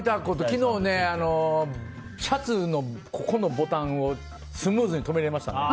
昨日ね、シャツの袖のボタンをスムーズに留めれましたね。